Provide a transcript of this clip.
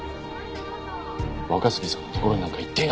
若杉さんのところになんか行っていない！